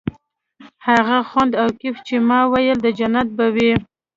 هغه خوند او کيف چې ما ويل د جنت به وي.